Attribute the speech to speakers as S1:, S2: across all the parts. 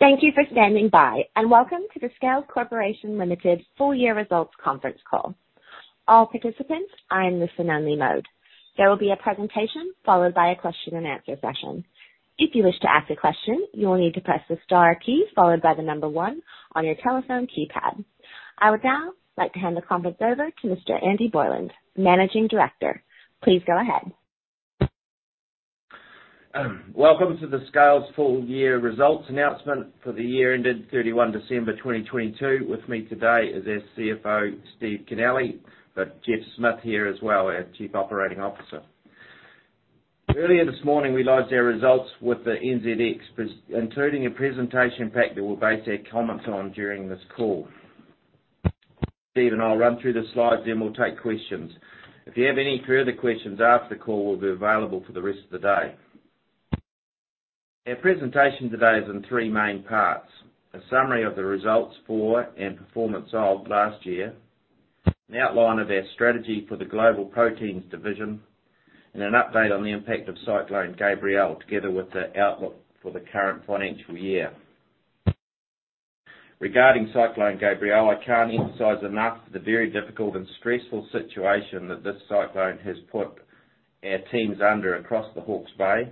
S1: Thank you for standing by, and welcome to the Scales Corporation Limited full-year results conference call. All participants are in listen-only mode. There will be a presentation followed by a question-and-answer session. If you wish to ask a question, you will need to press the star key followed by the number one on your telephone keypad. I would now like to hand the conference over to Mr. Andy Borland, Managing Director. Please go ahead.
S2: Welcome to the Scales full-year results announcement for the year ended 31 December 2022. With me today is our CFO Steve Kennelly, Geoff Smith here as well, our Chief Operating Officer. Earlier this morning, we launched our results with the NZX, including a presentation pack that we'll base our comments on during this call. Steve and I'll run through the slides. We'll take questions. If you have any further questions after the call, we'll be available for the rest of the day. Our presentation today is in three main parts: a summary of the results for and performance of last year, an outline of our strategy for the Global Proteins division, and an update on the impact of Cyclone Gabrielle together with the outlook for the current financial year. Regarding Cyclone Gabrielle, I can't emphasize enough the very difficult and stressful situation that this cyclone has put our teams under across the Hawke's Bay,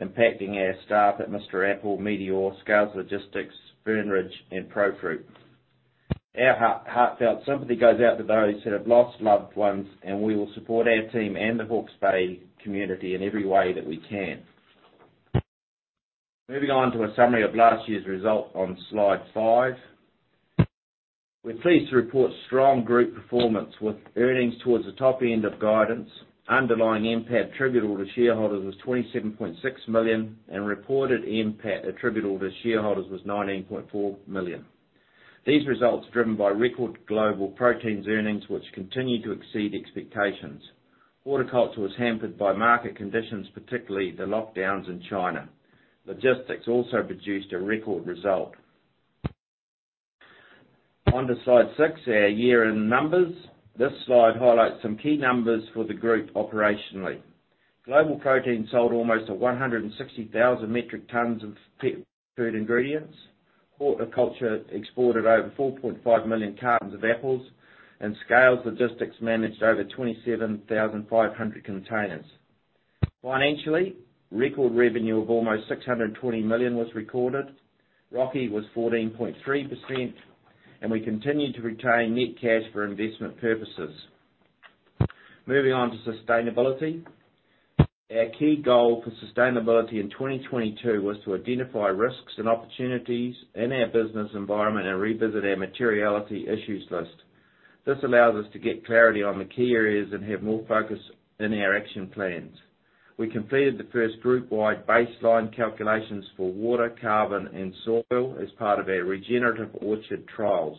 S2: impacting our staff at Mr Apple, Meateor, Scales Logistics, Fern Ridge, and Profruit. Our heartfelt sympathy goes out to those that have lost loved ones, and we will support our team and the Hawke's Bay community in every way that we can. Moving on to a summary of last year's result on Slide 5. We're pleased to report strong group performance with earnings towards the top end of guidance. Underlying NPAT attributable to shareholders was 27.6 million, and reported NPAT attributable to shareholders was 19.4 million. These results are driven by record Global Proteins earnings, which continue to exceed expectations. Horticulture was hampered by market conditions, particularly the lockdowns in China. Logistics also produced a record result. Slide 6, our year-end numbers. This Slide highlights some key numbers for the group operationally. Global Proteins sold almost 160,000 metric tons of pet food ingredients. Horticulture exported over 4.5 million cartons of apples, and Scales Logistics managed over 27,500 containers. Financially, record revenue of almost 620 million was recorded. ROCE was 14.3%, and we continued to retain net cash for investment purposes. Moving on to sustainability. Our key goal for sustainability in 2022 was to identify risks and opportunities in our business environment and revisit our materiality issues list. This allows us to get clarity on the key areas and have more focus in our action plans. We completed the first groupwide baseline calculations for water, carbon, and soil as part of our regenerative orchard trials.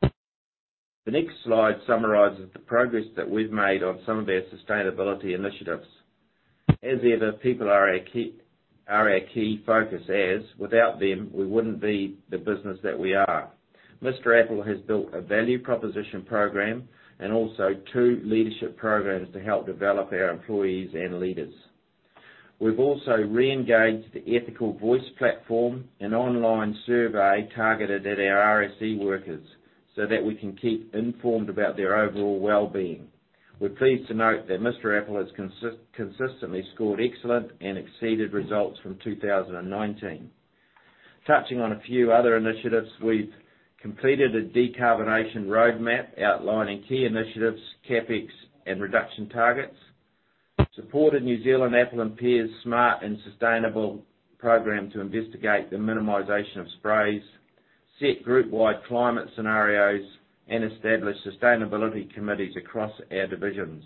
S2: The next slide summarizes the progress that we've made on some of our sustainability initiatives. As ever, people are our key focus as without them, we wouldn't be the business that we are. Mr Apple has built a value proposition program and also two leadership programs to help develop our employees and leaders. We've also re-engaged the Ethical Voice platform, an online survey targeted at our RSE workers so that we can keep informed about their overall wellbeing. We're pleased to note that Mr Apple has consistently scored excellent and exceeded results from 2019. Touching on a few other initiatives. We've completed a decarbonation roadmap outlining key initiatives, CapEx, and reduction targets, supported New Zealand Apples and Pears' Smart and Sustainable program to investigate the minimization of sprays, set groupwide climate scenarios, and established sustainability committees across our divisions.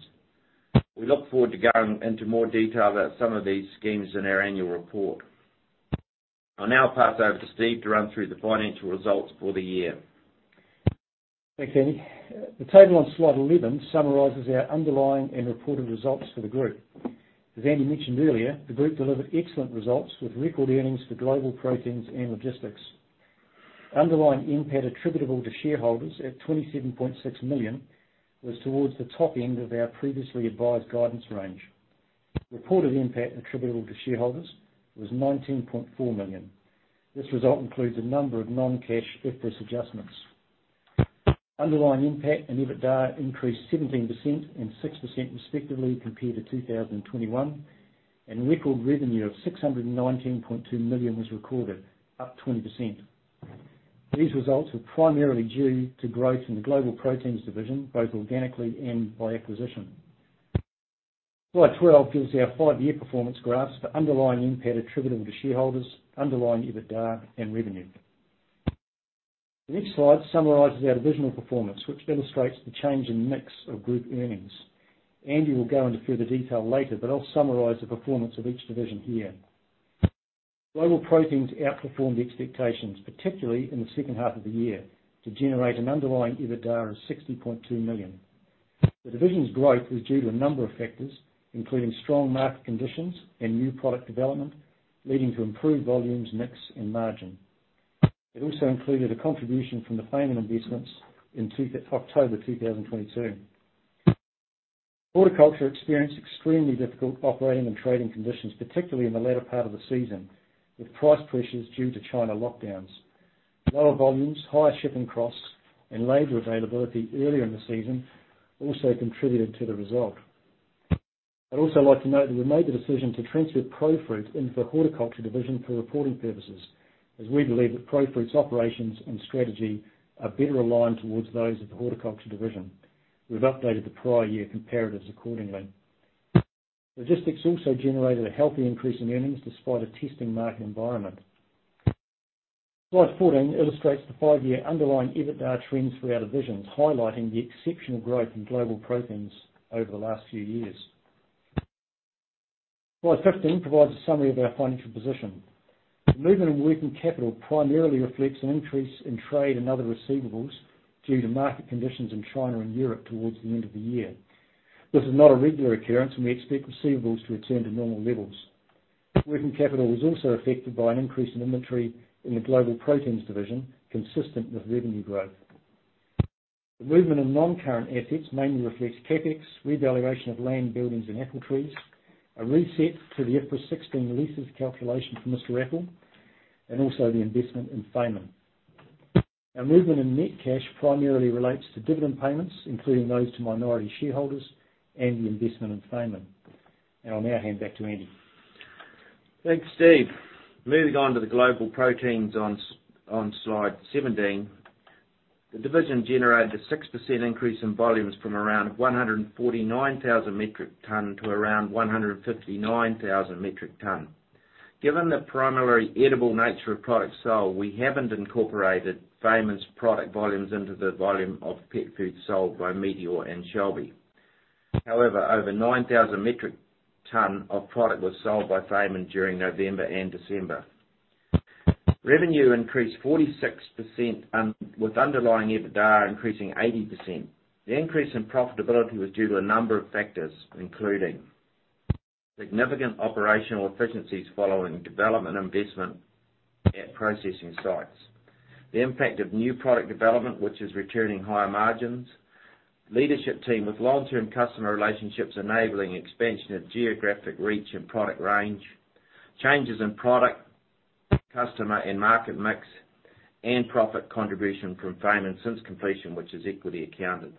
S2: We look forward to going into more detail about some of these schemes in our annual report. I'll now pass over to Steve to run through the financial results for the year.
S3: Thanks, Andy. The table on Slide 11 summarizes our underlying and reported results for the group. As Andy mentioned earlier, the group delivered excellent results with record earnings for Global Proteins and Logistics. Underlying NPAT attributable to shareholders at 27.6 million was towards the top end of our previously advised guidance range. Reported NPAT attributable to shareholders was 19.4 million. This result includes a number of non-cash FS adjustments. Underlying NPAT and EBITDA increased 17% and 6% respectively compared to 2021, and record revenue of 619.2 million was recorded, up 20%. These results were primarily due to growth in the Global Proteins division, both organically and by acquisition. Slide 12 gives our five-year performance graphs for underlying NPAT attributable to shareholders, underlying EBITDA, and revenue. The next slide summarizes our divisional performance, which illustrates the change in mix of group earnings. Andy will go into further detail later, but I'll summarize the performance of each division here. Global Proteins outperformed the expectations, particularly in the second half of the year, to generate an underlying EBITDA of 60.2 million. The division's growth was due to a number of factors, including strong market conditions and new product development, leading to improved volumes, mix, and margin. It also included a contribution from the Fayman investments in October 2022. Horticulture experienced extremely difficult operating and trading conditions, particularly in the latter part of the season, with price pressures due to China lockdowns. Lower volumes, higher shipping costs, and labor availability earlier in the season also contributed to the result. I'd also like to note that we made the decision to transfer Profruit into the horticulture division for reporting purposes, as we believe that Profruit's operations and strategy are better aligned towards those of the horticulture division. We've updated the prior year comparatives accordingly. Logistics also generated a healthy increase in earnings despite a testing market environment. Slide 14 illustrates the five-year underlying EBITDA trends for our divisions, highlighting the exceptional growth in Global Proteins over the last few years. Slide 15 provides a summary of our financial position. Movement in working capital primarily reflects an increase in trade and other receivables due to market conditions in China and Europe towards the end of the year. This is not a regular occurrence, and we expect receivables to return to normal levels. Working capital was also affected by an increase in inventory in the Global Proteins division, consistent with revenue growth. The movement in non-current assets mainly reflects CapEx, revaluation of land buildings and apple trees, a reset to the IFRS 16 leases calculation for Mr Apple, and also the investment in Fayman. Our movement in net cash primarily relates to dividend payments, including those to minority shareholders and the investment in Fayman. I'll now hand back to Andy.
S2: Thanks, Steve. Moving on to the Global Proteins on Slide 17. The division generated a 6% increase in volumes from around 149,000 metric ton to around 159,000 metric ton. Given the primarily edible nature of products sold, we haven't incorporated Fayman's product volumes into the volume of pet food sold by Meateor and Shelby. Over 9,000 metric ton of product was sold by Fayman during November and December. Revenue increased 46% with underlying EBITDA increasing 80%. The increase in profitability was due to a number of factors, including significant operational efficiencies following development investment at processing sites. The impact of new product development, which is returning higher margins. Leadership team with long-term customer relationships enabling expansion of geographic reach and product range, changes in product, customer, and market mix, and profit contribution from Fayman since completion, which is equity accounted.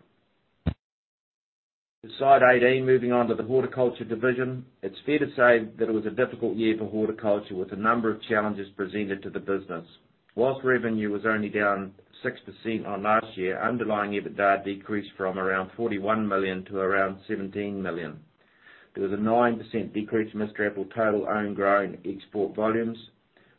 S2: To Slide 18, moving on to the horticulture division. It's fair to say that it was a difficult year for horticulture, with a number of challenges presented to the business. Whilst revenue was only down 6% on last year, underlying EBITDA decreased from around 41 million to around 17 million. There was a 9% decrease in Mr Apple total own grown export volumes.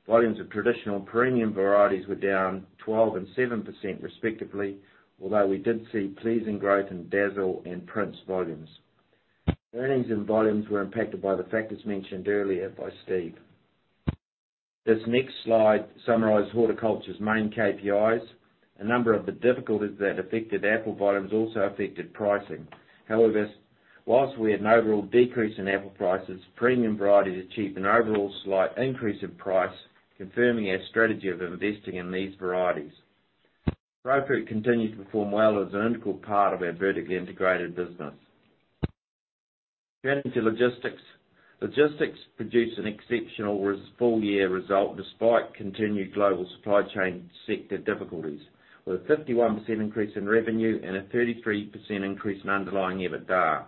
S2: Volumes of traditional premium varieties were down 12% and 7% respectively, although we did see pleasing growth in Dazzle and Prince volumes. Earnings and volumes were impacted by the factors mentioned earlier by Steve. This next slide summarizes horticulture's main KPIs. A number of the difficulties that affected apple volumes also affected pricing. While we had an overall decrease in apple prices, premium varieties achieved an overall slight increase in price, confirming our strategy of investing in these varieties. Profruit continued to perform well as an integral part of our vertically integrated business. Turning to logistics. Logistics produced an exceptional full year result despite continued global supply chain sector difficulties. With a 51% increase in revenue and a 33% increase in underlying EBITDA.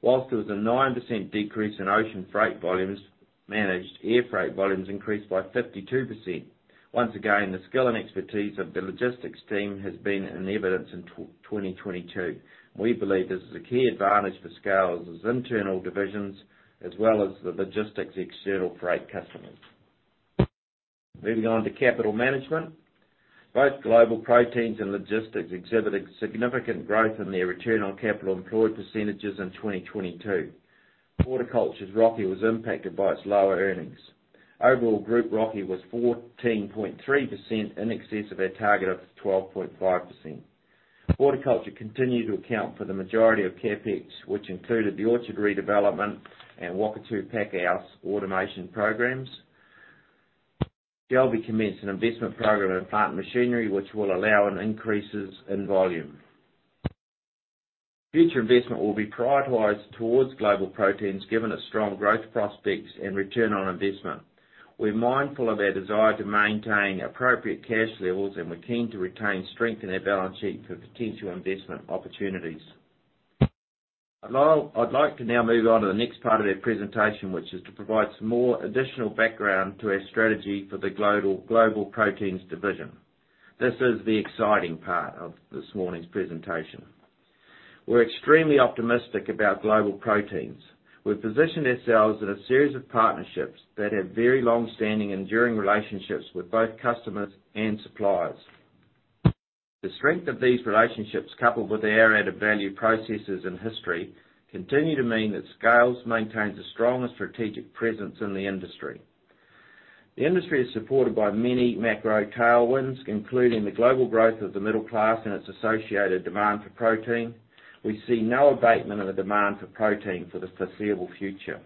S2: While there was a 9% decrease in ocean freight volumes, managed air freight volumes increased by 52%. Once again, the skill and expertise of the logistics team has been in evidence in 2022. We believe this is a key advantage for Scales' internal divisions, as well as the logistics external freight customers. Moving on to capital management. Both Global Proteins and logistics exhibited significant growth in their return on capital employed percentages in 2022. Horticulture's ROCE was impacted by its lower earnings. Overall group ROCE was 14.3%, in excess of our target of 12.5%. Horticulture continued to account for the majority of CapEx, which included the orchard redevelopment and Whakatu pack house automation programs. Shelby commenced an investment program in plant machinery, which will allow an increases in volume. Future investment will be prioritized towards Global Proteins, given its strong growth prospects and return on investment. We're mindful of our desire to maintain appropriate cash levels, and we're keen to retain strength in our balance sheet for potential investment opportunities. I'd like to now move on to the next part of our presentation, which is to provide some more additional background to our strategy for the Global Proteins division. This is the exciting part of this morning's presentation. We're extremely optimistic about Global Proteins. We've positioned ourselves in a series of partnerships that have very long-standing, enduring relationships with both customers and suppliers. The strength of these relationships, coupled with our added value processes and history, continue to mean that Scales maintains the strongest strategic presence in the industry. The industry is supported by many macro tailwinds, including the global growth of the middle class and its associated demand for protein. We see no abatement in the demand for protein for the foreseeable future.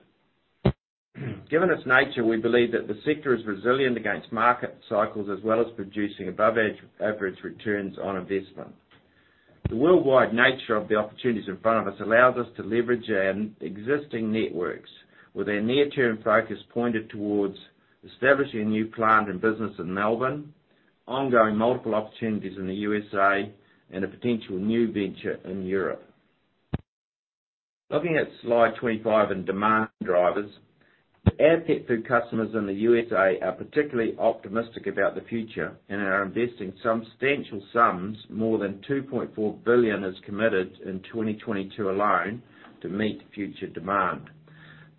S2: Given its nature, we believe that the sector is resilient against market cycles as well as producing above age- average returns on investment. The worldwide nature of the opportunities in front of us allows us to leverage our existing networks with our near-term focus pointed towards establishing a new plant and business in Melbourne, ongoing multiple opportunities in the USA, and a potential new venture in Europe. Looking at Slide 25 in demand drivers, our pet food customers in the USA are particularly optimistic about the future and are investing substantial sums. More than 2.4 billion is committed in 2022 alone to meet future demand.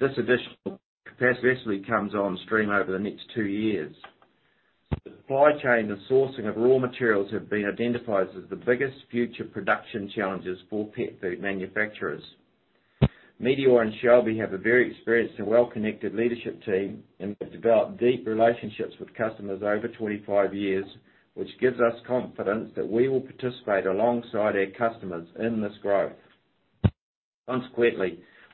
S2: This additional capacity comes on stream over the next two years. The supply chain and sourcing of raw materials have been identified as the biggest future production challenges for pet food manufacturers. Meateor and Shelby have a very experienced and well-connected leadership team and have developed deep relationships with customers over 25 years, which gives us confidence that we will participate alongside our customers in this growth.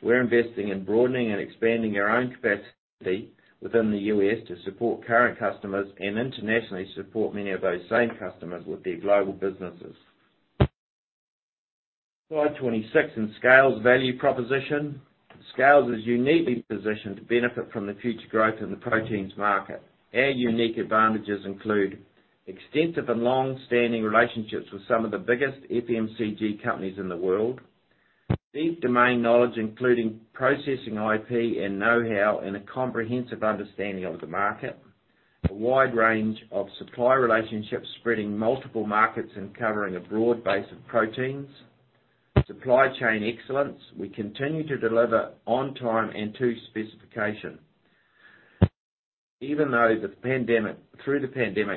S2: We're investing in broadening and expanding our own capacity within the U.S. to support current customers and internationally support many of those same customers with their global businesses. Slide 26 in Scales value proposition. Scales is uniquely positioned to benefit from the future growth in the proteins market. Our unique advantages include extensive and long-standing relationships with some of the biggest FMCG companies in the world, deep domain knowledge, including processing IP and know-how, and a comprehensive understanding of the market, a wide range of supply relationships spreading multiple markets and covering a broad base of proteins. Supply chain excellence. We continue to deliver on time and to specification. Even through the pandemic,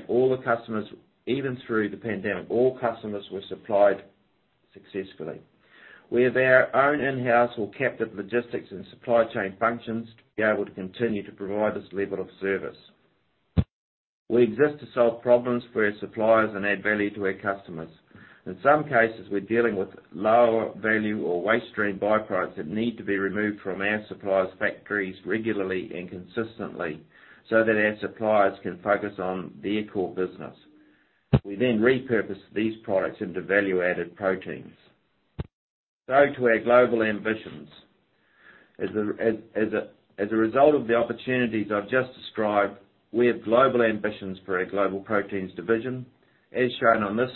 S2: all customers were supplied successfully. We have our own in-house or captive logistics and supply chain functions to be able to continue to provide this level of service. We exist to solve problems for our suppliers and add value to our customers. In some cases, we're dealing with lower value or waste stream byproducts that need to be removed from our suppliers' factories regularly and consistently so that our suppliers can focus on their core business. We then repurpose these products into value-added proteins. To our global ambitions. As a result of the opportunities I've just described, we have global ambitions for our Global Proteins division. As shown on this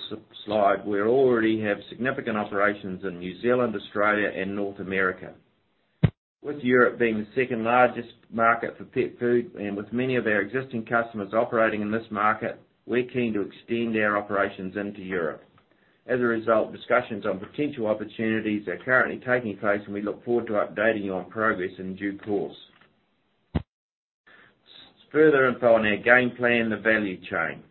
S2: slide, we already have significant operations in New Zealand, Australia, and North America. With Europe being the second-largest market for pet food, and with many of our existing customers operating in this market, we're keen to extend our operations into Europe. As a result, discussions on potential opportunities are currently taking place, and we look forward to updating you on progress in due course. Further info on our game plan, the value chain.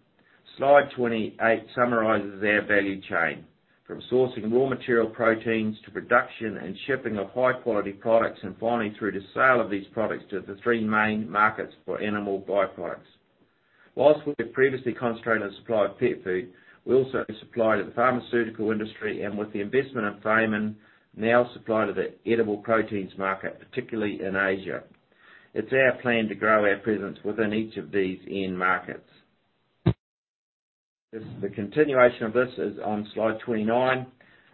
S2: Slide 28 summarizes our value chain, from sourcing raw material proteins to production and shipping of high-quality products, and finally, through the sale of these products to the three main markets for animal byproducts. Whilst we have previously concentrated on supply of pet food, we also supply to the pharmaceutical industry, and with the investment in Fayman, now supply to the edible proteins market, particularly in Asia. It's our plan to grow our presence within each of these end markets. This, the continuation of this is on Slide 29.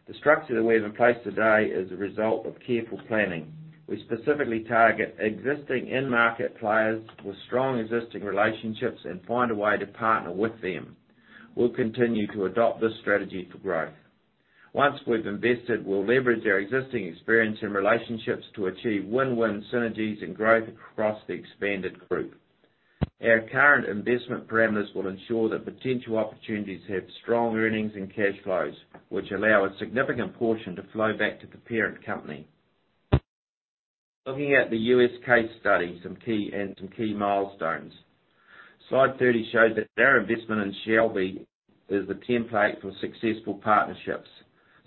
S2: The structure that we have in place today is a result of careful planning. We specifically target existing end-market players with strong existing relationships and find a way to partner with them. We'll continue to adopt this strategy for growth. Once we've invested, we'll leverage our existing experience and relationships to achieve win-win synergies and growth across the expanded group. Our current investment parameters will ensure that potential opportunities have strong earnings and cash flows, which allow a significant portion to flow back to the parent company. Looking at the U.S. case study, some key milestones. Slide 30 shows that our investment in Shelby is the template for successful partnerships.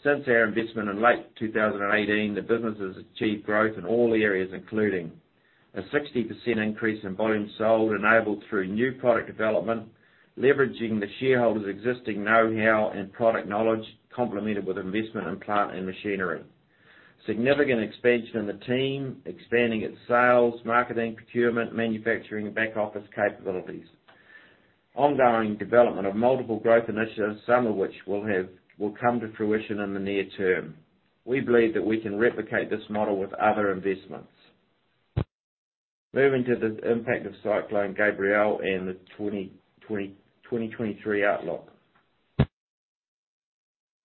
S2: Since our investment in late 2018, the business has achieved growth in all areas, including a 60% increase in volume sold, enabled through new product development, leveraging the shareholders' existing know-how and product knowledge, complemented with investment in plant and machinery. Significant expansion in the team, expanding its sales, marketing, procurement, manufacturing, and back-office capabilities. Ongoing development of multiple growth initiatives, some of which will come to fruition in the near term. We believe that we can replicate this model with other investments. Moving to the impact of Cyclone Gabrielle and the 2023 outlook.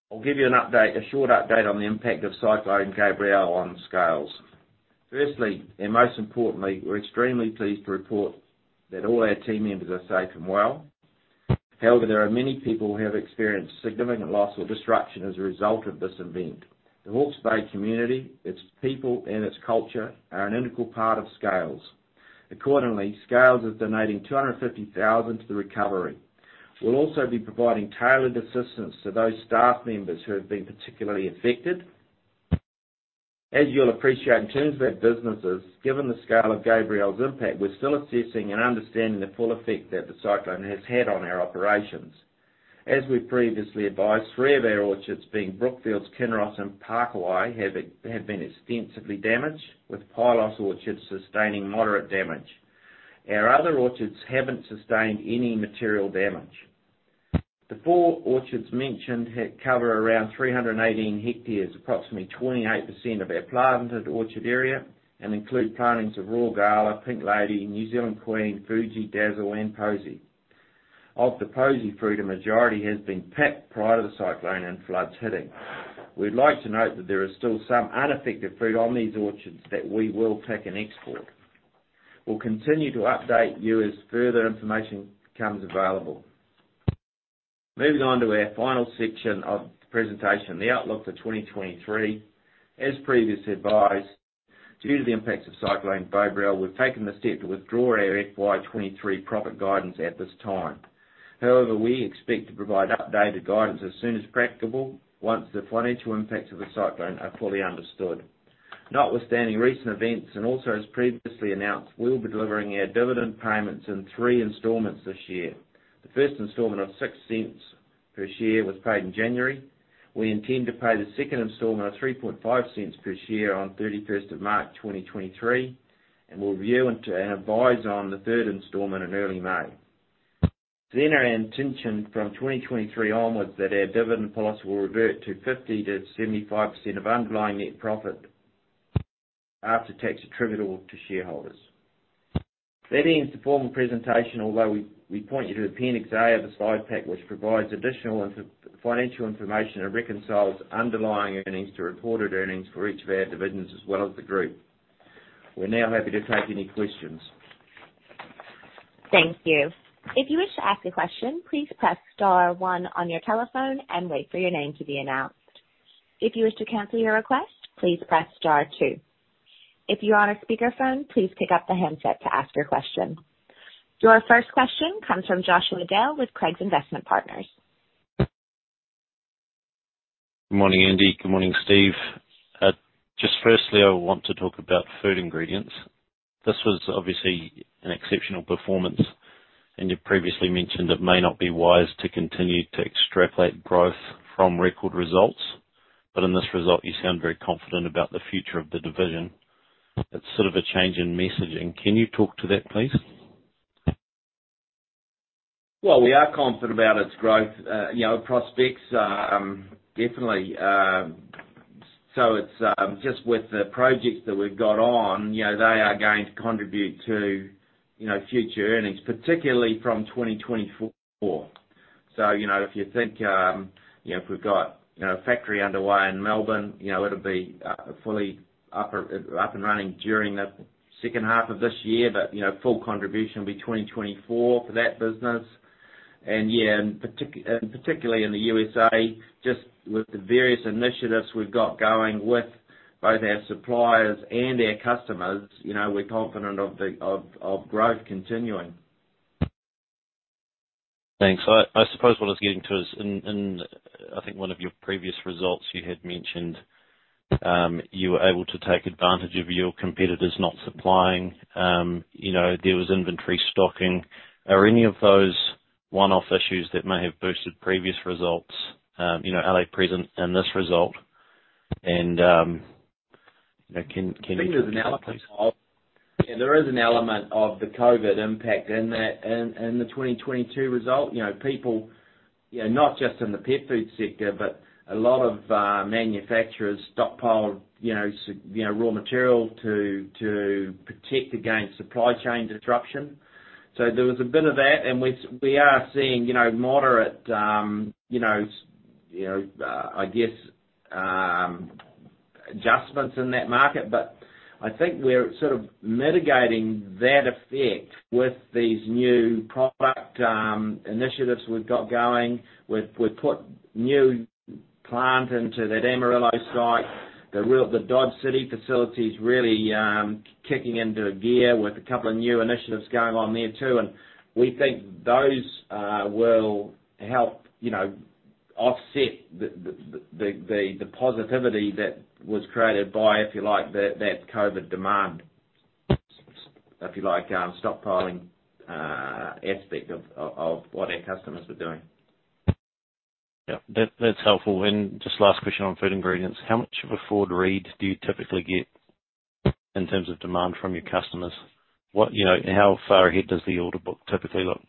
S2: I'll give you an update, a short update, on the impact of Cyclone Gabrielle on Scales. Firstly, and most importantly, we're extremely pleased to report that all our team members are safe and well. There are many people who have experienced significant loss or disruption as a result of this event. The Hawke's Bay community, its people, and its culture are an integral part of Scales. Accordingly, Scales is donating 250,000 to the recovery. We'll also be providing tailored assistance to those staff members who have been particularly affected. As you'll appreciate, in terms of our businesses, given the scale of Gabrielle's impact, we're still assessing and understanding the full effect that the cyclone has had on our operations. As we've previously advised, three of our orchards, being Brookfields, Kinross and Pakowhai, have been extensively damaged, with Pilos orchards sustaining moderate damage. Our other orchards haven't sustained any material damage. The four orchards mentioned cover around 318 hectares, approximately 28% of our planted orchard area, and include plantings of Royal Gala, Pink Lady, New Zealand Queen, Fuji, Dazzle, and Posy. Of the Posy fruit, a majority has been picked prior to the cyclone and floods hitting. We'd like to note that there is still some unaffected fruit on these orchards that we will pick and export. We'll continue to update you as further information becomes available. Moving on to our final section of the presentation, the outlook for 2023. As previously advised, due to the impacts of Cyclone Gabrielle, we've taken the step to withdraw our FY 2023 profit guidance at this time. However, we expect to provide updated guidance as soon as practicable once the financial impacts of the cyclone are fully understood. Notwithstanding recent events, also as previously announced, we'll be delivering our dividend payments in three installments this year. The first installment of 0.06 per share was paid in January. We intend to pay the second installment of 0.035 per share on 31st of March 2023, we'll review and advise on the third installment in early May. Our intention from 2023 onwards, that our dividend policy will revert to 50%-75% of underlying net profit after tax attributable to shareholders. That ends the formal presentation, although we point you to appendix A of the slide pack which provides additional financial information and reconciles underlying earnings to reported earnings for each of our divisions as well as the group. We're now happy to take any questions.
S1: Thank you. If you wish to ask a question, please press star one on your telephone and wait for your name to be announced. If you wish to cancel your request, please press star two. If you are on a speakerphone, please pick up the handset to ask your question. Your first question comes from Joshua Dale with Craigs Investment Partners.
S4: Good morning, Andy. Good morning, Steve. Just firstly, I want to talk about food ingredients. This was obviously an exceptional performance. You previously mentioned it may not be wise to continue to extrapolate growth from record results. In this result, you sound very confident about the future of the division. It's sort of a change in messaging. Can you talk to that, please?
S2: We are confident about its growth, you know, prospects, definitely. It's just with the projects that we've got on, you know, they are going to contribute to, you know, future earnings, particularly from 2024. You know, if you think, you know, if we've got, you know, a factory underway in Melbourne, you know, it'll be fully up and running during the second half of this year, but, you know, full contribution will be 2024 for that business. Yeah, and particularly in the USA, just with the various initiatives we've got going with both our suppliers and our customers, you know, we're confident of the of growth continuing.
S4: Thanks. I suppose what I was getting to is in, I think one of your previous results you had mentioned, you were able to take advantage of your competitors not supplying. You know, there was inventory stocking. Are any of those one-off issues that may have boosted previous results, you know, are they present in this result? You know, can you-
S2: I think there's an element of, there is an element of the COVID impact in that, in the 2022 result. You know, people, you know, not just in the pet food sector, but a lot of manufacturers stockpiled, you know, raw material to protect against supply chain disruption. There was a bit of that. We are seeing, you know, moderate, you know, I guess, adjustments in that market. I think we're sort of mitigating that effect with these new product initiatives we've got going. We've put new plant into that Amarillo site. The Dodge City facility is really kicking into gear with a couple of new initiatives going on there too. We think those, will help, you know, offset the positivity that was created by, if you like, that COVID demand, if you like, stockpiling, aspect of what our customers are doing.
S4: Yeah. That's helpful. Just last question on food ingredients. How much of a forward read do you typically get in terms of demand from your customers? What, you know, how far ahead does the order book typically look?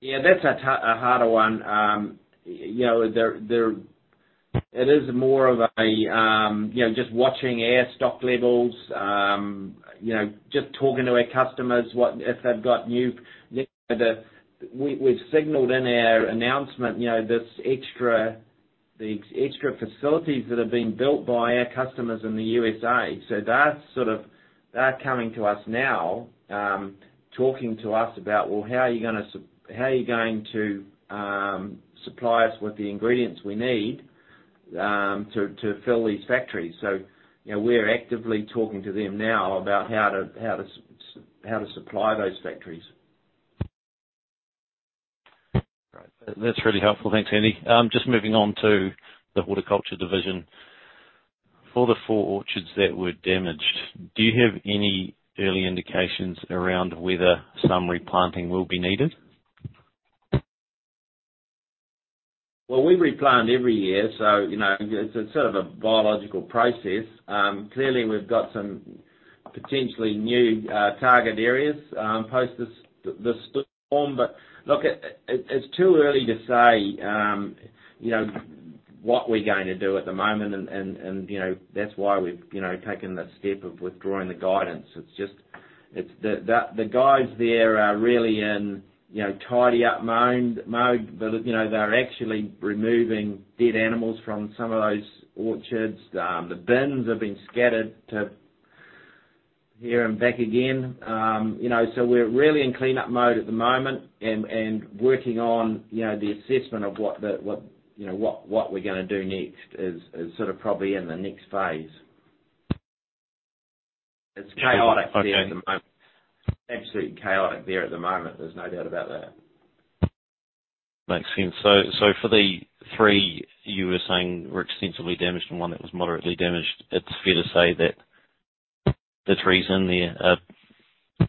S2: Yeah, that's a harder one. You know, there. It is more of a, you know, just watching our stock levels, you know, just talking to our customers, what if they've got new, you know. We've signaled in our announcement, you know, this extra, the extra facilities that have been built by our customers in the USA. That's sort of, they're coming to us now, talking to us about, "Well, how are you going to supply us with the ingredients we need to fill these factories?" You know, we're actively talking to them now about how to supply those factories.
S4: Great. That's really helpful. Thanks, Andy. Just moving on to the horticulture division. For the four orchards that were damaged, do you have any early indications around whether some replanting will be needed?
S2: Well, we replant every year, so, you know, it's sort of a biological process. Clearly we've got some potentially new target areas post this storm. Look, it's too early to say, you know, what we're going to do at the moment and, you know, that's why we've, you know, taken the step of withdrawing the guidance. It's the guys there are really in, you know, tidy up mode. You know, they're actually removing dead animals from some of those orchards. The bins have been scattered to here and back again. You know, we're really in cleanup mode at the moment and working on, you know, the assessment of what the, what, you know, what we're gonna do next is sort of probably in the next phase. It's chaotic there at the moment.
S4: Okay.
S2: Absolutely chaotic there at the moment, there's no doubt about that.
S4: Makes sense. For the three you were saying were extensively damaged and one that was moderately damaged, it's fair to say that the trees in there are,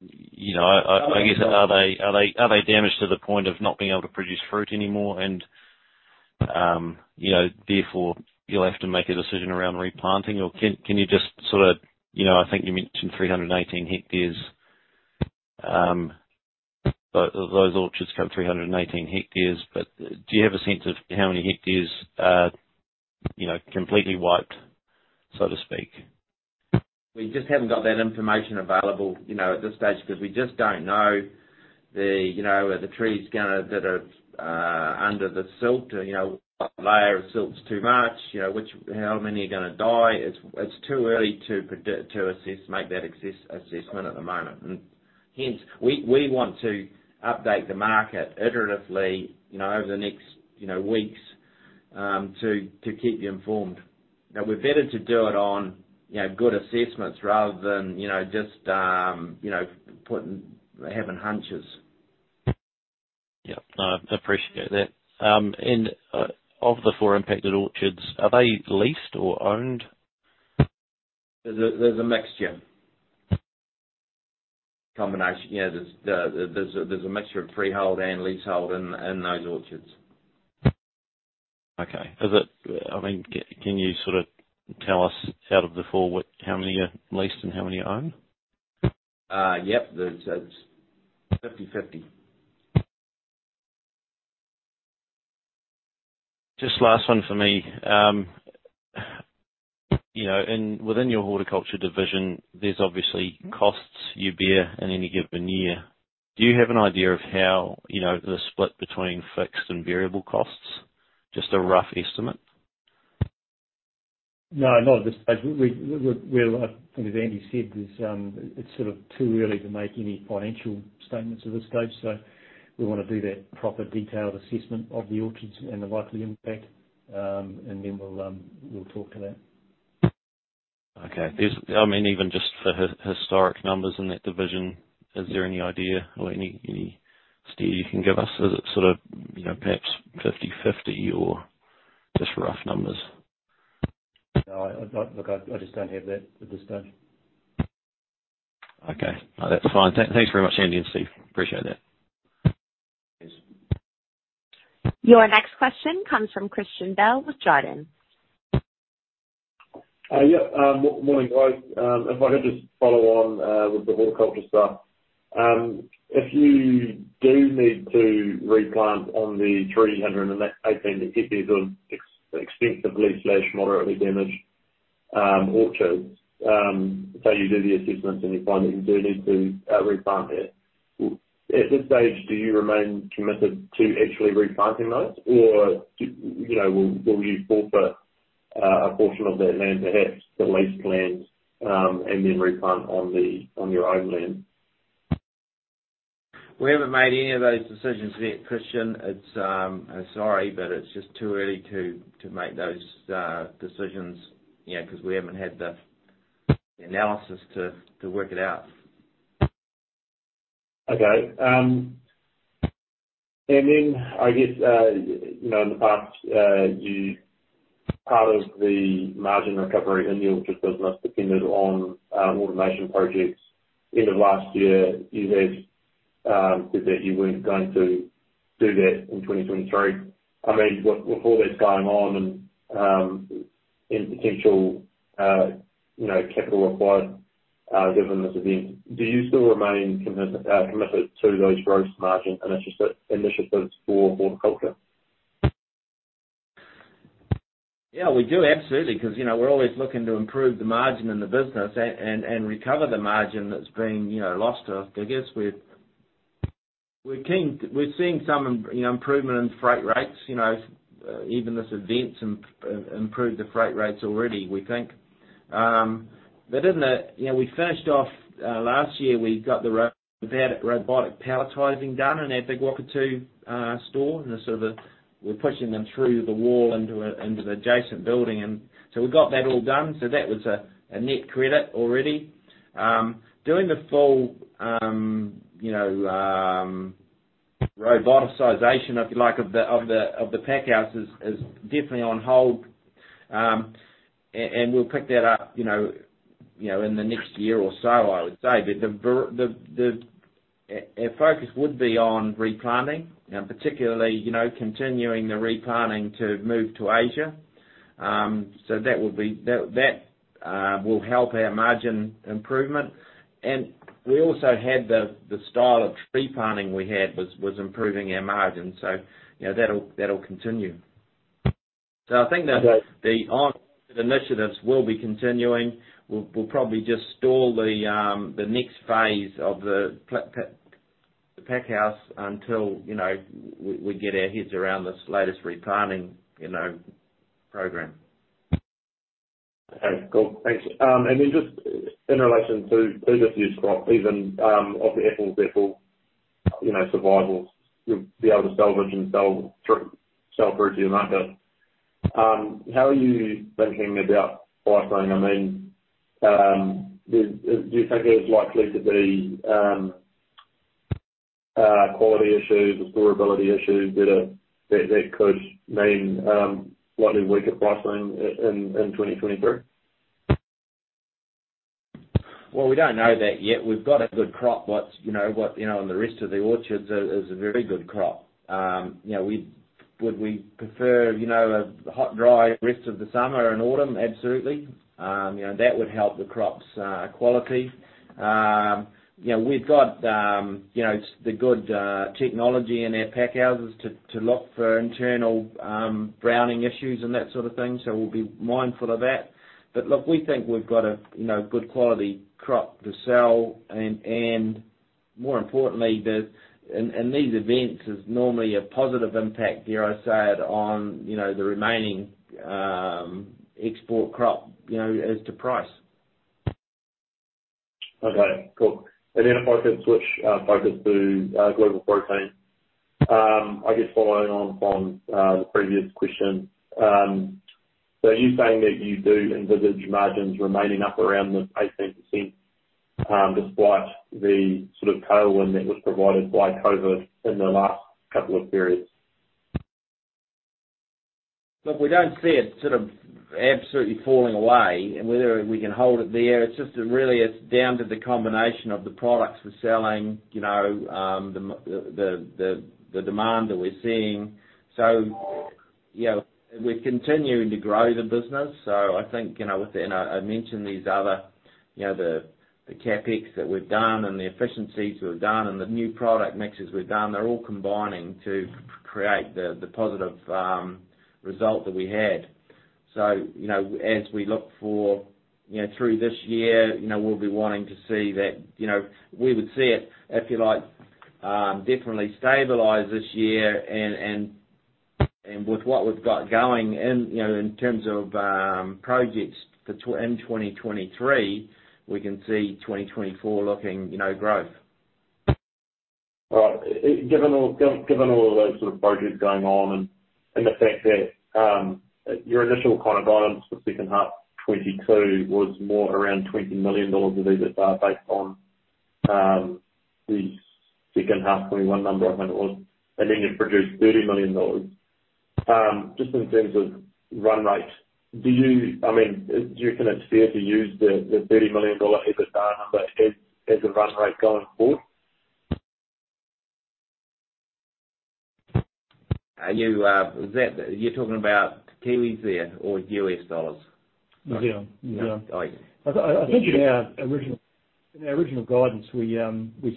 S4: you know, I guess, are they damaged to the point of not being able to produce fruit anymore and, you know, therefore you'll have to make a decision around replanting? Can you just sort of, you know, I think you mentioned 318 hectares. Those orchards cover 318 hectares, but do you have a sense of how many hectares are, you know, completely wiped, so to speak?
S2: We just haven't got that information available, you know, at this stage because we just don't know the, you know, are the trees that are under the silt, you know, layer of silt's too much. You know, how many are gonna die. It's too early to assess, make that assessment at the moment. Hence, we want to update the market iteratively, you know, over the next, you know, weeks, to keep you informed. We're better to do it on, you know, good assessments rather than, you know, just, you know, having hunches.
S4: Yeah. No, I appreciate that. Of the four impacted orchards, are they leased or owned?
S2: There's a mixture. Combination. You know, there's a mixture of freehold and leasehold in those orchards.
S4: Okay. I mean, can you sort of tell us out of the four, what, how many are leased and how many are owned?
S2: Yep, it's 50/50.
S4: Just last one for me. You know, within your horticulture division, there's obviously costs you bear in any given year. Do you have an idea of how, you know, the split between fixed and variable costs? Just a rough estimate.
S3: No, not at this stage. We're as Andy said, this, it's sort of too early to make any financial statements at this stage. We wanna do that proper detailed assessment of the orchards and the likely impact. We'll talk to that.
S4: Okay. I mean, even just for historic numbers in that division, is there any idea or any steer you can give us? Is it sort of, you know, perhaps 50/50 or just rough numbers?
S3: No, I just don't have that at this stage.
S4: Okay. No, that's fine. Thanks very much, Andy and Steve. Appreciate that.
S3: Cheers.
S1: Your next question comes from Christian Bell with Jarden.
S5: Yeah. Morning, guys. If I could just follow on with the horticulture stuff. If you do need to replant on the 318 hectares of extensively slash moderately damaged orchards, so you do the assessments and you find that you do need to replant that, at this stage, do you remain committed to actually replanting those? You know, will you forfeit a portion of that land, perhaps the leased land, and then replant on your own land?
S2: We haven't made any of those decisions yet, Christian. It's, sorry, it's just too early to make those decisions, you know, because we haven't had the analysis to work it out.
S5: Okay. I guess, you know, in the past, part of the margin recovery in the orchard business depended on automation projects. End of last year, you had said that you weren't going to do that in 2023. I mean, with all that's going on and potential, you know, capital required, given this event, do you still remain committed to those gross margin initiatives for horticulture?
S2: Yeah, we do, absolutely. Because, you know, we're always looking to improve the margin in the business and recover the margin that's been, you know, lost to us. I guess we're keen. We're seeing some, you know, improvement in freight rates. You know, even this event's improved the freight rates already, we think. We finished off last year, we've had robotic palletizing done in our Big Wairau Auckland Two store. They're sort of, we're pushing them through the wall into the adjacent building. We got that all done, so that was a net credit already. During the fall, you know, roboticization, if you like, of the pack houses is definitely on hold. We'll pick that up, you know, in the next year or so, I would say. Our focus would be on replanting, you know, particularly, continuing the replanting to move to Asia. That would be. That will help our margin improvement. We also had the style of tree planting we had was improving our margins. You know, that'll continue. I think that the initiatives will be continuing. We'll probably just stall the next phase of the pack house until, you know, we get our heads around this latest replanting, you know, program.
S5: Okay. Cool. Thanks. Just in relation to previous crop, even, of the apples therefore, you know, survival, you'll be able to salvage and sell through to market, how are you thinking about pricing? I mean, do you think there's likely to be quality issues or durability issues that could mean slightly weaker pricing in 2023?
S2: Well, we don't know that yet. We've got a good crop. What's, you know, what, you know, and the rest of the orchards is a very good crop. You know, would we prefer, you know, a hot, dry rest of the summer and autumn? Absolutely. You know, that would help the crops quality. You know, we've got, you know, the good technology in our packhouses to look for internal browning issues and that sort of thing, so we'll be mindful of that. Look, we think we've got a, you know, good quality crop to sell and more importantly, in these events, there's normally a positive impact, dare I say it, on, you know, the remaining export crop, you know, as to price.
S5: Okay, cool. If I could switch focus to Global Proteins. I guess following on from the previous question, are you saying that you do envisage margins remaining up around the 18% despite the sort of tailwind that was provided by COVID in the last couple of periods?
S2: Look, we don't see it sort of absolutely falling away. Whether we can hold it there, it's just really it's down to the combination of the products we're selling, you know, the demand that we're seeing. You know, we're continuing to grow the business. I think, you know, I mentioned these other, you know, the CapEx that we've done and the efficiencies we've done and the new product mixes we've done, they're all combining to create the positive result that we had. You know, as we look for, you know, through this year, you know, we'll be wanting to see that, you know. We would see it, if you like, definitely stabilize this year and with what we've got going in, you know, in terms of projects for in 2023, we can see 2024 looking, you know, growth.
S5: All right. Given all of those sort of projects going on and the fact that, your initial kind of guidance for second half 2022 was more around 20 million dollars of EBITDA based on the second half 2021 number, I think it was, and then you produced 30 million dollars. Just in terms of run rate, I mean, do you consider to use the 30 million dollar EBITDA number as a run rate going forward?
S2: Are you talking about kiwis there or U.S. dollars?
S5: New Zealand. New Zealand.
S2: Oh. Yeah.
S3: I think in our original guidance, we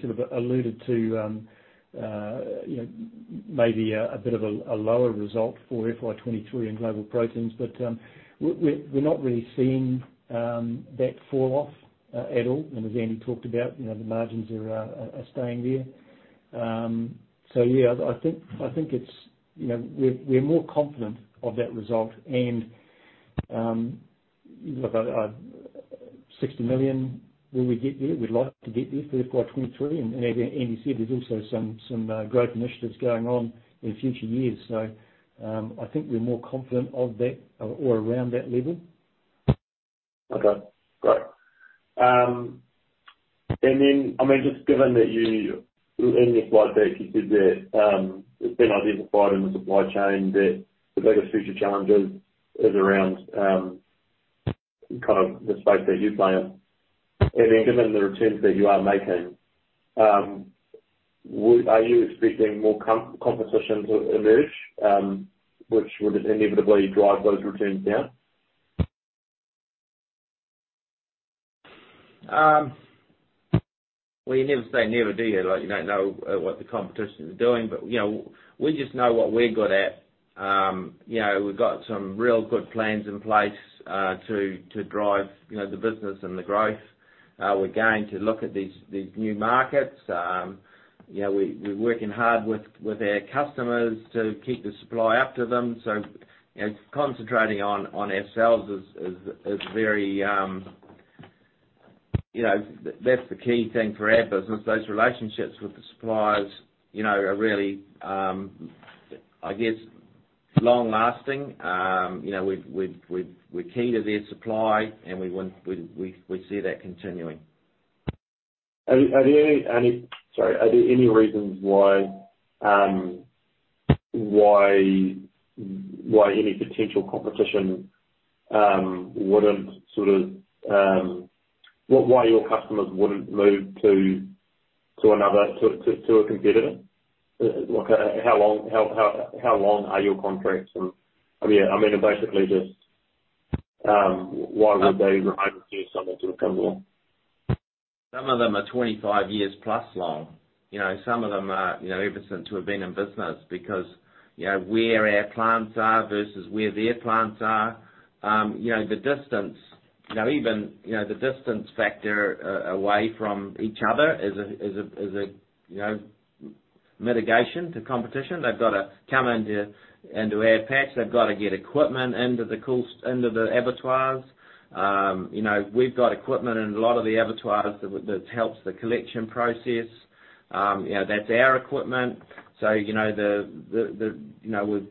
S3: sort of alluded to, you know, maybe a bit of a lower result for FY 2023 in Global Proteins, we're not really seeing that fall off at all. As Andy talked about, you know, the margins are staying there. Yeah, I think it's, you know, we're more confident of that result and look, 60 million, will we get there? We'd like to get there for FY 2023. As Andy said, there's also some growth initiatives going on in future years. I think we're more confident of that or around that level.
S5: Okay, great. I mean, just given that you In your slide deck, you said that it's been identified in the supply chain that the biggest future challenge is around, kind of the space that you play in. Given the returns that you are making, are you expecting more competitions will emerge, which would inevitably drive those returns down?
S2: Well, you never say never, do you? Like, you don't know what the competition is doing. You know, we just know what we're good at. You know, we've got some real good plans in place to drive, you know, the business and the growth. We're going to look at these new markets. You know, we're working hard with our customers to keep the supply up to them. You know, concentrating on ourselves is very. You know, that's the key thing for our business. Those relationships with the suppliers, you know, are really, I guess long lasting. You know, we're key to their supply, and we see that continuing.
S5: Are there any reasons why any potential competition wouldn't sort of, why your customers wouldn't move to another, to a competitor? Like how long are your contracts, and, I mean basically just, why would they refuse someone to come along?
S2: Some of them are 25+ years long. You know, some of them are, you know, ever since we've been in business because, you know, where our plants are versus where their plants are, you know, the distance, you know, even, you know, the distance factor, away from each other is a, you know, mitigation to competition. They've gotta come into our patch. They've gotta get equipment into the abattoirs. You know, we've got equipment in a lot of the abattoirs that helps the collection process. You know, that's our equipment. You know, the, you know, we've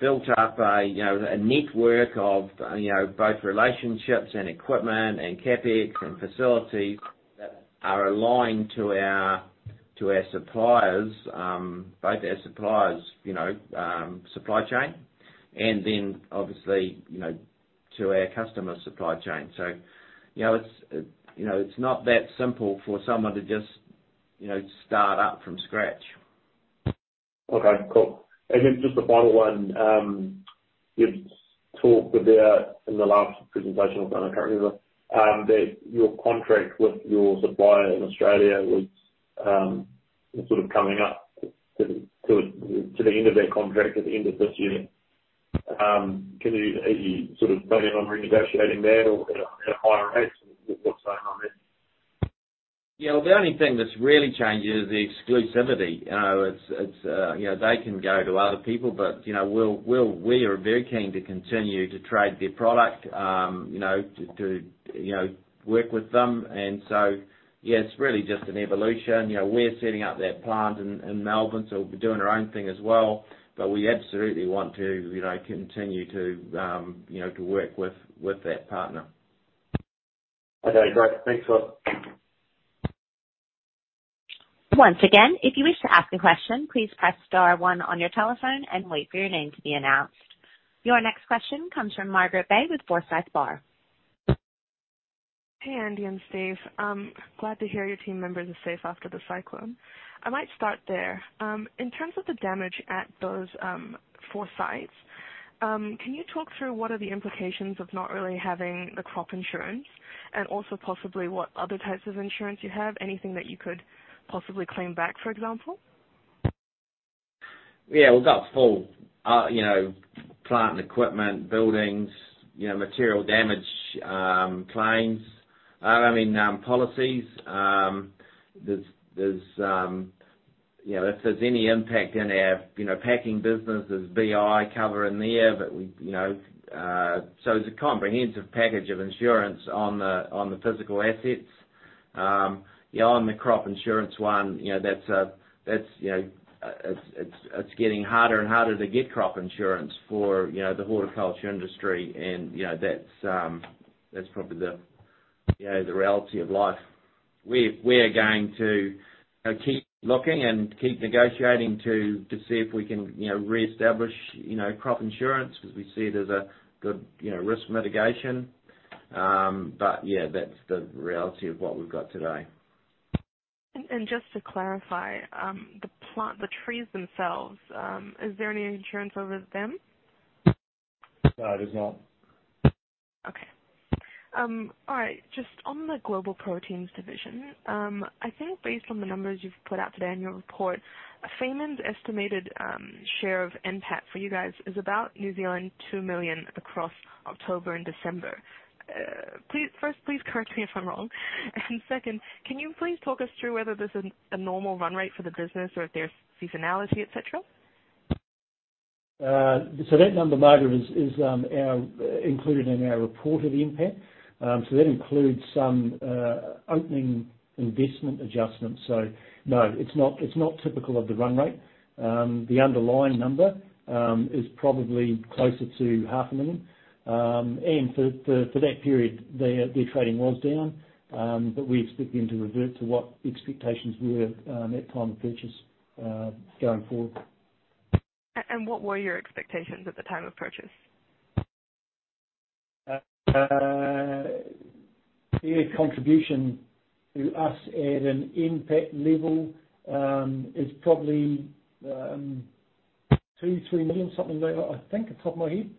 S2: built up a, you know, a network of, you know, both relationships and equipment and CapEx and facilities that are aligned to our, to our suppliers, both our suppliers, you know, supply chain, and then obviously, you know, to our customer supply chain. You know, it's, you know, it's not that simple for someone to just, you know, start up from scratch.
S5: Okay, cool. Just the final one. You've talked about in the last presentation, I can't remember, that your contract with your supplier in Australia was sort of coming up to the end of that contract at the end of this year. Are you sort of planning on renegotiating that or at a higher rate? What's going on there?
S2: Yeah, the only thing that's really changed is the exclusivity. It's, you know, they can go to other people, but, you know, we are very keen to continue to trade their product, you know, to work with them. Yeah, it's really just an evolution. You know, we're setting up that plant in Melbourne, so we're doing our own thing as well. We absolutely want to, you know, continue to, you know, to work with that partner.
S5: Okay, great. Thanks a lot.
S1: Once again, if you wish to ask a question, please press star one on your telephone and wait for your name to be announced. Your next question comes from Margaret Bei with Forsyth Barr.
S6: Hey, Andy and Steve. Glad to hear your team members are safe after the cyclone. I might start there. In terms of the damage at those, four sites, can you talk through what are the implications of not really having the crop insurance and also possibly what other types of insurance you have, anything that you could possibly claim back, for example?
S2: Yeah. We've got full, you know, plant and equipment, buildings, you know, material damage, claims. I mean, policies. There's, you know, if there's any impact in our, you know, packing business, there's BI cover in there. We, you know, so it's a comprehensive package of insurance on the physical assets. Yeah, on the crop insurance one, you know, that's, you know, it's getting harder and harder to get crop insurance for, you know, the horticulture industry and, you know, that's probably the, you know, the reality of life. We are going to keep looking and keep negotiating to see if we can, you know, reestablish, you know, crop insurance because we see it as a good, you know, risk mitigation. Yeah, that's the reality of what we've got today.
S6: Just to clarify, the trees themselves, is there any insurance over them?
S2: No, there's not.
S6: Okay. All right, just on the Global Proteins division, I think based on the numbers you've put out today in your report, Fayman's estimated share of NPAT for you guys is about 2 million across October and December. Please, first, please correct me if I'm wrong. Second, can you please talk us through whether this is a normal run rate for the business or if there's seasonality, et cetera?
S3: That number, Margaret Bei, is our, included in our report of impact. That includes some opening investment adjustments. No, it's not, it's not typical of the run rate. The underlying number, is probably closer to half a million. For that period, their trading was down, but we expect them to revert to what the expectations were, at time of purchase, going forward.
S6: What were your expectations at the time of purchase?
S3: Their contribution to us at an impact level is probably 2 million-3 million, something like that, I think, off the top of my head.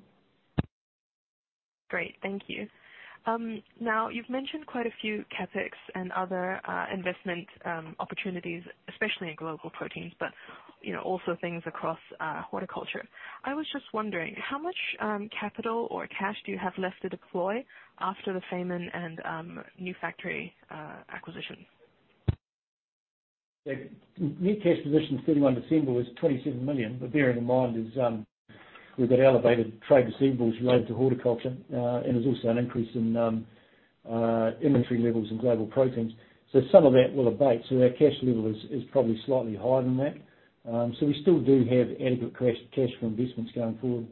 S6: Great. Thank you. You've mentioned quite a few CapEx and other investment opportunities, especially in Global Proteins, you know, also things across horticulture. I was just wondering how much capital or cash do you have left to deploy after the Fayman and new factory acquisition?
S3: The new cash position as at 31 December was 27 million, bearing in mind we've got elevated trade receivables related to horticulture, and there's also an increase in inventory levels in Global Proteins. Some of that will abate, so our cash level is probably slightly higher than that. We still do have adequate cash for investments going forward.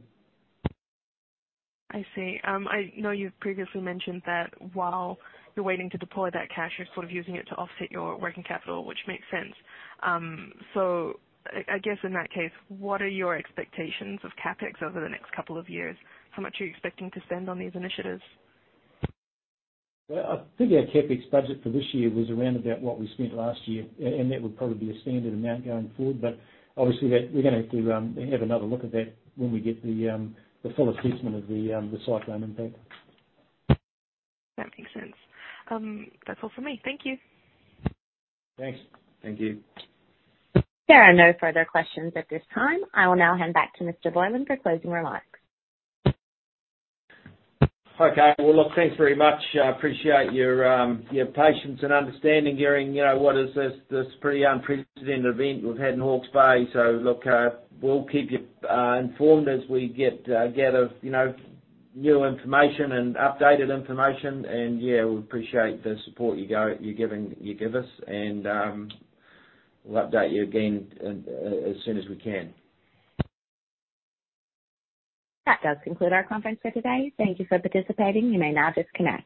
S6: I see. I know you've previously mentioned that while you're waiting to deploy that cash, you're sort of using it to offset your working capital, which makes sense. I guess in that case, what are your expectations of CapEx over the next couple of years? How much are you expecting to spend on these initiatives?
S3: I think our CapEx budget for this year was around about what we spent last year, and that would probably be a standard amount going forward. Obviously, we're gonna have to have another look at that when we get the full assessment of the cyclone impact.
S6: That makes sense. That's all for me. Thank you.
S3: Thanks.
S2: Thank you.
S1: There are no further questions at this time. I will now hand back to Mr. Borland for closing remarks.
S2: Well, look, thanks very much. I appreciate your patience and understanding during, you know, what is this pretty unprecedented event we've had in Hawke's Bay. Look, we'll keep you informed as we get, you know, new information and updated information. We appreciate the support you give us, and we'll update you again as soon as we can.
S1: That does conclude our conference for today. Thank you for participating. You may now disconnect.